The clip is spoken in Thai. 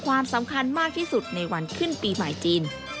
ความสำคัญมากที่สุดในวันขึ้นปีใหม่จีน